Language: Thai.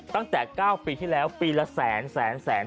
ตั้งแต่๙ปีที่แล้วปีละแสนแสน